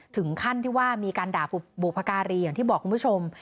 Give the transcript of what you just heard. ถึงขั้นที่ว่ามีการด่าบุพการีอย่างที่บอกคุณผู้ชม